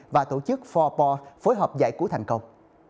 và tổ chức bốn por phối hợp giải cứu thành công